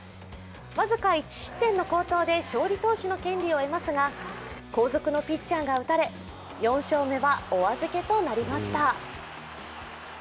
僅か１失点の好投で勝利投手の権利を得ますが、後続のピッチャーが打たれ４勝目はお預けとなりました。